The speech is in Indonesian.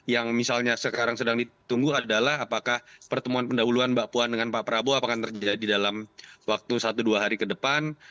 yang misalnya sekarang sedang ditunggu adalah apakah pertemuan pendahuluan mbak puan dengan pak prabowo akan terjadi dalam waktu satu dua hari ke depan